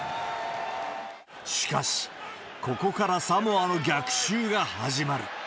しかし、ここからサモアの逆襲が始まる。